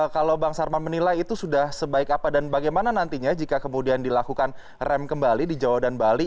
kalau bang sarman menilai itu sudah sebaik apa dan bagaimana nantinya jika kemudian dilakukan rem kembali di jawa dan bali